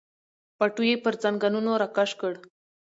پټو یې پر زنګنونو راکش کړ.